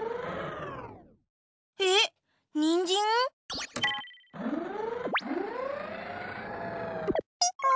えっにんじん？ピポ。